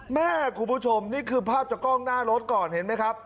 คุณผู้ชมนี่คือภาพจากกล้องหน้ารถก่อนเห็นไหมครับ